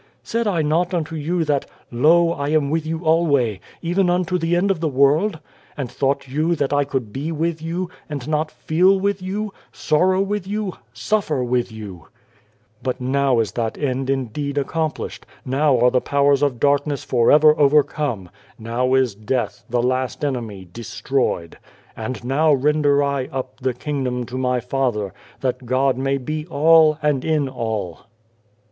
" Said I not unto you that, ' Lo, I am with you alway, even unto the end of the world '? and thought you, that I could be with you, and not feel with you, sorrow with you, suffer with you ?" But now is that end indeed accomplished ; now are the powers of darkness for ever over come ; now is death, the last enemy, de stroyed ; and now render I up the Kingdom to my Father, that God may be All, and in All."